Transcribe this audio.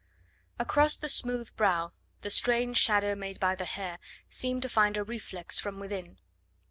Across the smooth brow the strange shadow made by the hair seemed to find a reflex from within.